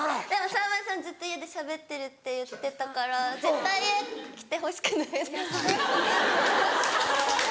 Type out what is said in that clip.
さんまさんずっと家でしゃべってるって言ってたから絶対家来てほしくないです。